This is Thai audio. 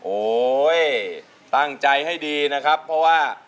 โอ้ยตั้งใจให้ดีนะครับเพราะว่า